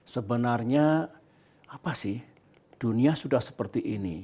sebenarnya dunia sudah seperti ini